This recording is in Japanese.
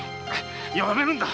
やめるんだ！